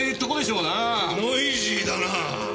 ノイジーだな！